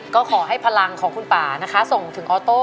ก็ขอให้พลังของคุณป่านะคะส่งถึงออโต้